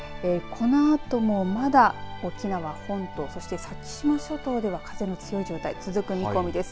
このあともまだ沖縄本島そして先島諸島では風の強い状態続く見込みです。